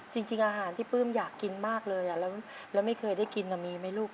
จริงอาหารที่ปลื้มอยากกินมากเลยแล้วไม่เคยได้กินมีไหมลูก